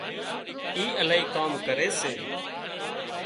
اِي الاهي ڪام ڪري سي